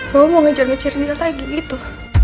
kamu mau ngejar ngejar dia lagi gitu